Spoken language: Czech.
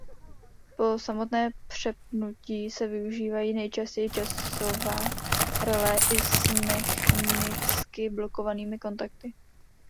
Pro samotné přepnutí se využívají nejčastěji časová relé i s mechnicky blokovanými kontakty.